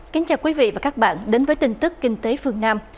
kính chào quý vị và các bạn đến với tin tức kinh tế phương nam